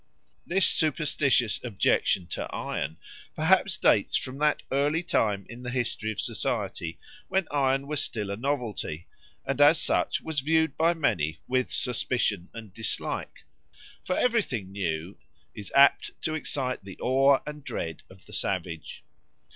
This superstitious objection to iron perhaps dates from that early time in the history of society when iron was still a novelty, and as such was viewed by many with suspicion and dislike. For everything new is apt to excite the awe and dread of the savage.